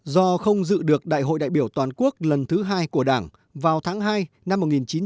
do không dự được đại hội đại biểu toàn quốc lần thứ hai của đảng vào tháng hai năm một nghìn chín trăm bảy mươi năm